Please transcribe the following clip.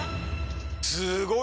すごい。